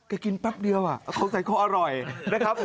ก็กินปั๊บเดียวเขาใส่เขาอร่อยนะครับ